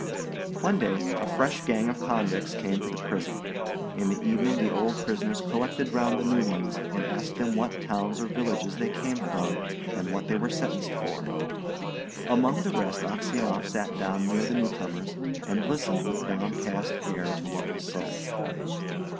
One day a fresh gang of convicts came to the prison. In the evening the old prisoners collected round the new ones and asked them what towns or villages they came from, and what they were sentenced for. Among the rest Aksionov sat down near the newcomers, and listened with downcast air to what was said.